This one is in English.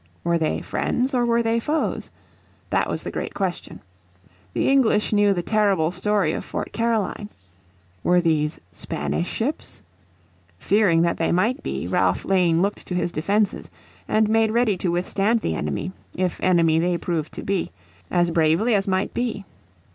Were they friends, or were they foes? That was the great question. The English knew the terrible story of Fort Caroline. Were these Spanish ships? Fearing that they might be Ralph Lane looked to his defenses, and made ready to withstand the enemy, if enemy they proved to be, as bravely as might be.